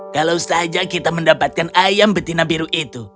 kalau saja kita mendapatkan ayam betina biru itu